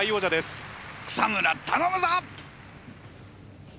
草村頼むぞ！